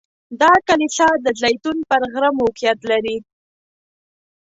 دا کلیسا د زیتون پر غره موقعیت لري.